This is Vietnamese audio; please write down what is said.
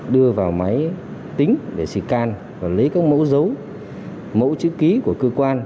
đưa vào máy tính để scan và lấy các mẫu dấu mẫu chữ ký của cơ quan